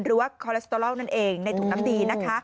หรือว่าคอเลสตอรัลนั่นเองในถุงน้ำดีนะคะ